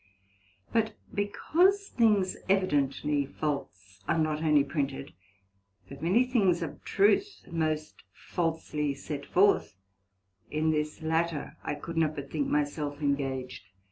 But because things evidently false are not onely printed, but many things of truth most falsely set forth, in this latter I could not but think my self engaged.